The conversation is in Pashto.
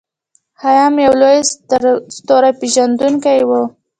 خیام یو لوی ستورپیژندونکی و.